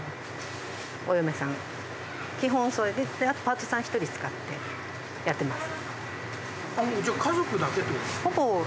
それであとパートさん１人使ってやってます。